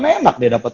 kan enak dia dapet